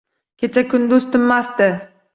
Kecha kunduz tinmasdi.